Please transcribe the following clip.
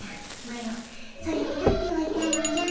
マロそれを取っておいたのじゃ。